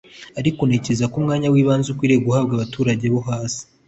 ariko ntekereza ko umwanya w’ibanze ukwiye guhabwa abaturage bo hasi